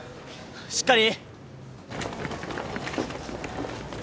しっかり！